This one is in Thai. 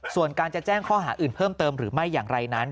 ส่วนการจะแจ้งข้อหาอื่นเพิ่มเติมหรือไม่อย่างไรนั้น